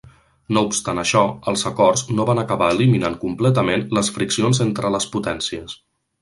No obstant això, els acords no van acabar eliminant completament les friccions entre les potències.